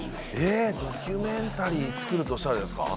ドキュメンタリー作るとしたらですか？